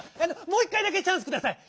もう一かいだけチャンスください。